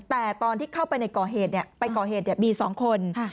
แต่ตอนที่เข้าไปในก่อเหตุไปก่อเหตุมี๒คน